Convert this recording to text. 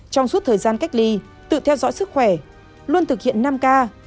trong suốt thời gian cách ly tự theo dõi sức khỏe luôn thực hiện năm k